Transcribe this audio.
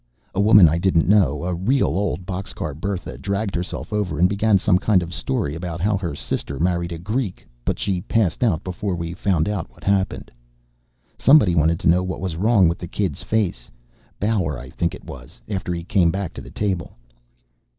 A woman I didn't know, a real old Boxcar Bertha, dragged herself over and began some kind of story about how her sister married a Greek, but she passed out before we found out what happened. Somebody wanted to know what was wrong with the kid's face Bauer, I think it was, after he came back to the table.